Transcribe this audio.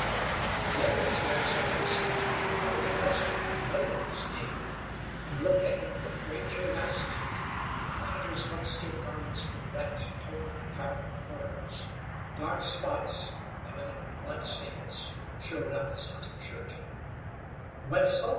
The other missionaries had never seen the hunter though, of course, they were familiar with his name, and looked at him with great curiosity. The hunter's buckskin garments were wet, torn, and covered with burrs. Dark spots, evidently blood stains, showed on his hunting shirt. "Wetzel?"